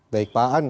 baik pak an